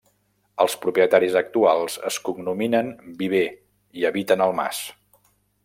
Els propietaris actuals es cognominen viver i habiten el mas.